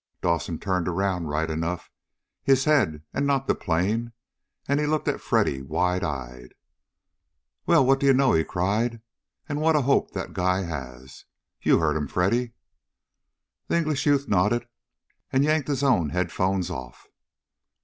Dawson turned around, right enough. His head, and not the plane. He looked at Freddy, wide eyed. "Well, what do you know!" he cried. "And what a hope that guy has. You heard him, Freddy?" The English youth nodded, and yanked his own headphones off.